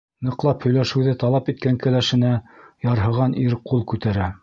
Ныҡлап һөйләшеүҙе талап иткән кәләшенә ярһыған ир ҡул күтәрә.